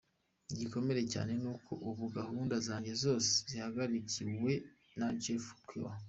Igikomeye cyane ni uko ubu gahunda zanjye zose zihagarariwe na Jeff Kiwa.